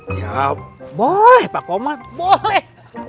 ya boleh pak komat boleh